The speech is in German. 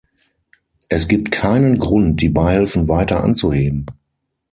Es gibt keinen Grund, die Beihilfen weiter anzuheben.